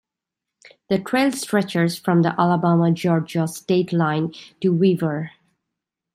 The trail stretches from the Alabama-Georgia state line to Weaver.